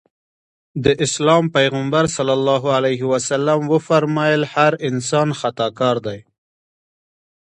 د اسلام پيغمبر ص وفرمایل هر انسان خطاکار دی.